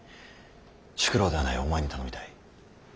宿老ではないお前に頼みたい。